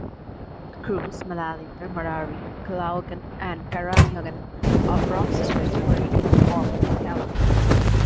Cruz, Malalinta, Mararigue, Calaocan, and Caraniogan of Roxas were separated to form Callang.